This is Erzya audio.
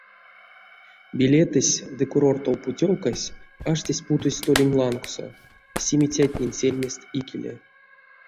Билетэсь ды курортов путёвкась аштесть путозь столенть лангсо, симицятнень сельмест икеле.